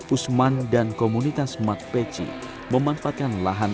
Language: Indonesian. usman dan komunitas matpeci memanfaatkan lahan